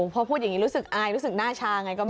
พอพูดอย่างนี้รู้สึกอายรู้สึกหน้าชาไง